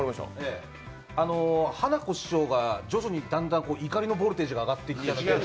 花子師匠がだんだん怒りのボルテージが上がって。